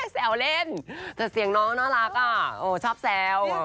แซวเล่นแต่เสียงน้องน่ารักชอบแซว